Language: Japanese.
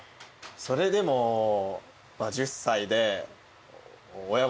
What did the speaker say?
それでも１０歳で。